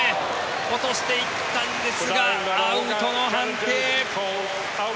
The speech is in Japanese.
落としていったんですがアウトの判定。